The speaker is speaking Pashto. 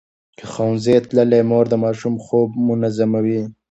ښوونځې تللې مور د ماشوم خوب منظموي.